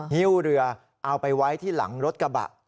ฮิ้วเรือเอาไปไว้ที่หลังรถกระบะ